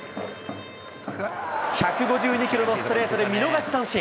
１５２キロのストレートで見逃し三振。